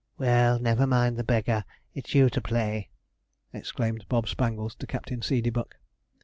'Well, never mind the beggar! It's you to play!' exclaimed Bob Spangles to Captain Seedeybuck.